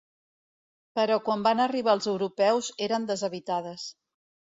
Però quan van arribar els europeus eren deshabitades.